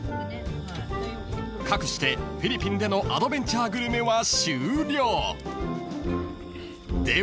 ［かくしてフィリピンでのアドベンチャーグルメは終了］